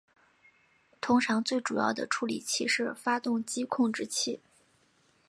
通常最主要的处理器是发动机控制器。